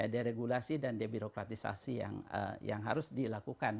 deregulasi dan debirokratisasi yang harus dilakukan